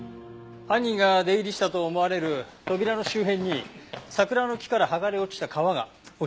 犯人が出入りしたと思われる扉の周辺に桜の木から剥がれ落ちた皮が落ちていました。